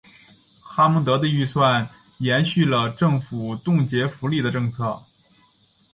哈蒙德的预算延续了政府冻结福利的政策。